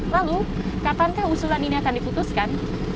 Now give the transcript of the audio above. lalu kapankah usulan ini akan diputuskan